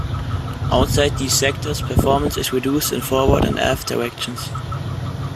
Outside these sectors, performance is reduced in forward and aft directions.